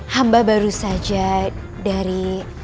hamba baru saja dari